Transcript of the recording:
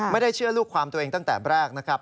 ไม่ได้เชื่อลูกความตัวเองตั้งแต่แรกนะครับ